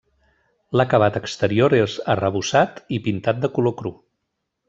L'acabat exterior és arrebossat i pintat de color cru.